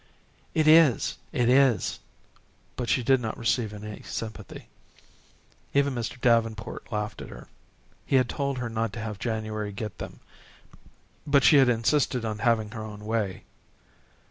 "It is. It is." But she did not receive any sympathy. Even Mr. Davenport laughed at her. He had told her not to have January get them, but she had insisted on having her own way.